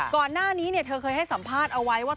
ก่อนหน้านี้เธอเคยให้สัมภาษณ์เอาไว้ว่า